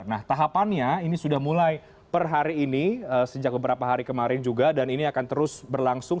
nah tahapannya ini sudah mulai per hari ini sejak beberapa hari kemarin juga dan ini akan terus berlangsung